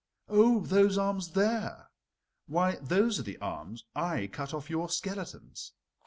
Oh, those arms there? Why, those are the arms I cut off your skeletons.